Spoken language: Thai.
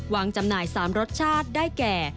จำหน่าย๓รสชาติได้แก่